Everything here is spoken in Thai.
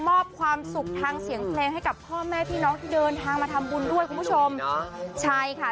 มอบความสุขทางเสียงเพลงให้กับพ่อแม่พี่น้องที่เดินทางมาทำบุญด้วยคุณผู้ชมใช่ค่ะ